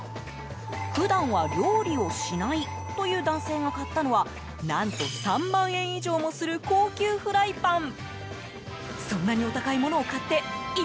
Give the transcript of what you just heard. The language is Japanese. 普段は料理をしないという男性が買ったのは何と３万円以上もする高級フライパン。